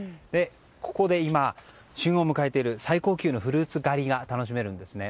ここで今旬を迎えている最高級のフルーツ狩りが楽しめるんですね。